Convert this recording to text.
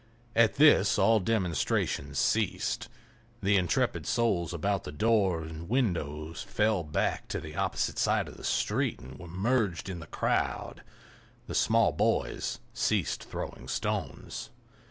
At this all demonstrations ceased; the intrepid souls about the door and windows fell back to the opposite side of the street and were merged in the crowd; the small boys ceased throwing stones.